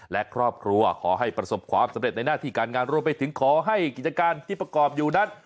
และครอบครัวขอให้ประสบความสำเร็จในหน้าที่การงานรวมไปถึงขอให้กิจการที่ประกอบอยู่นั้น